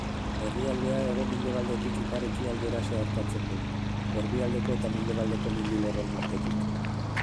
Herrialdea hego-mendebaldetik ipar-ekialdera zeharkatzen du, Erdialdeko eta Mendebaldeko mendilerroen artetik.